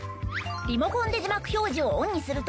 リモコンで字幕表示をオンにすると。